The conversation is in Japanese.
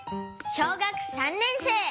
小学３年生。